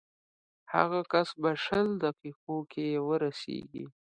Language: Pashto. هغه کس به شل دقیقو کې ورسېږي.